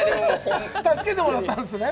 助けてもらったんですね。